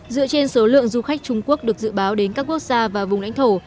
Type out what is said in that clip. dựa trên số lượng du khách trung quốc được dự báo đến các quốc gia và vùng lãnh thổ